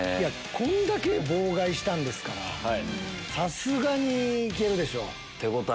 こんだけ妨害したからさすがに行けるでしょ。